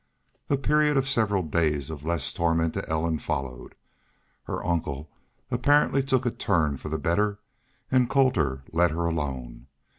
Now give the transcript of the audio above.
A period of several days of less torment to Ellen followed. Her uncle apparently took a turn for the better and Colter let her alone.